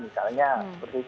atau jajanan yang terlalu manis